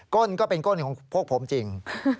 ้นก็เป็นก้นของพวกผมจริง